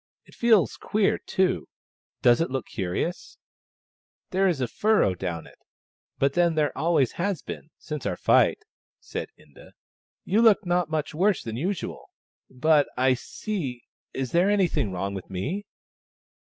" It feels queer, too. Does it look curious ?"" There is a furrow down it, but then there always has been, since our fight," said Inda. " You look not much worse than usual. But I — see, is there anything wTong with me